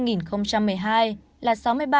năm hai nghìn một mươi hai là sáu mươi ba